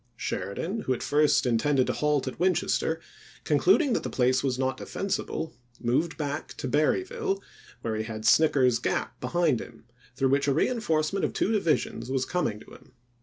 Sheridan, who at first in tended to halt at Winchester, concluding that the place was not defensible, moved back to Ber ry ville where he had Snicker's Gap behind him, through which a reenforcement of two divisions was coming to him.